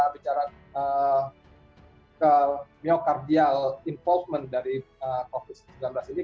bicara ke myokardial involvement dari covid sembilan belas ini